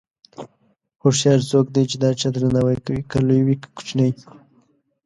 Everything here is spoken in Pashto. هوښیار څوک دی چې د هر چا درناوی کوي، که لوی وي که کوچنی.